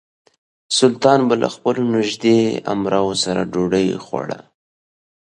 سلطان به له خپلو نژدې امراوو سره ډوډۍ خوړه.